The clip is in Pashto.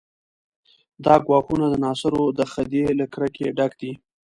دا ګواښونه د ناصرو د خدۍ له کرکې ډک دي.